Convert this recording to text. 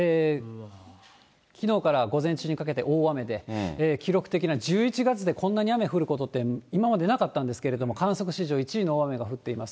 きのうから午前中にかけて大雨で、記録的な、１１月でこんなに雨降ることって今までなかったんですけれども、観測史上１位の大雨が降っています。